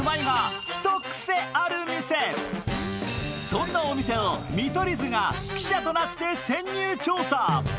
そんなお店を見取り図が記者となって潜入調査。